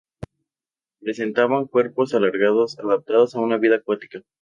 Presentaban cuerpos alargados adaptados a una vida acuática.